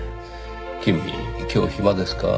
君今日暇ですか？